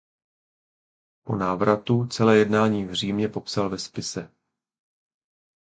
Po návratu celé jednání v Římě popsal ve spise.